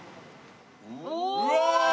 うわ！